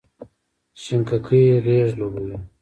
شینککۍ غیږ لوبوې،